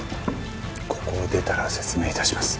ここを出たら説明致します。